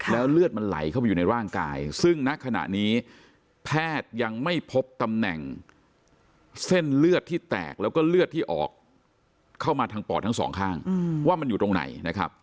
แล้วเลือดมันไหลเข้าไปอยู่ในร่างกายซึ่งณขณะนี้แพทย์ยังไม่พบตำแหน่งเส้นเลือดที่แตกแล้วก็เลือดที่ออกเข้ามาทางปอดทั้งสองข้างว่ามันอยู่ตรงไหนนะครับ